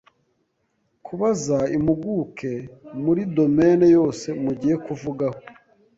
kubaza impuguke muri domaine yose mugiye kuvugaho